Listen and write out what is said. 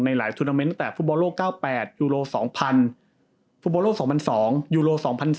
หลายทุนาเมนต์แต่ฟุตบอลโลก๙๘ยูโร๒๐๐ฟุตบอลโลก๒๐๐๒ยูโร๒๐๑๙